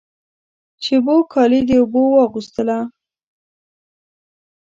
شېبو کالی د اوبو واغوستله